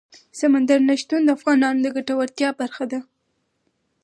سمندر نه شتون د افغانانو د ګټورتیا برخه ده.